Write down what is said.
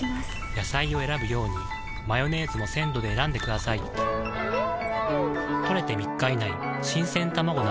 野菜を選ぶようにマヨネーズも鮮度で選んでくださいん！